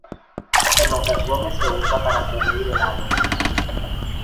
En ocasiones se usa para cubrir helados.